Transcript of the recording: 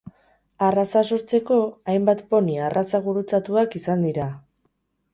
Arraza sortzeko hainbat poni arraza gurutzatuak izan dira.